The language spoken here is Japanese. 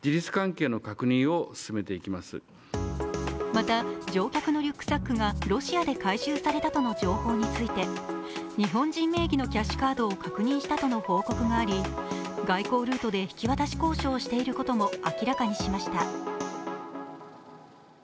また乗客のリュックサックがロシアで回収されたとの情報について日本人名義のキャッシュカードを確認したとの報告があり外交ルートで引き渡し交渉をしていることも明らかにしました。